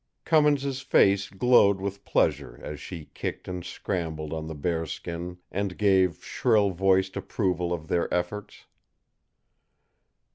Cummins' face glowed with pleasure as she kicked and scrambled on the bearskin and gave shrill voiced approval of their efforts.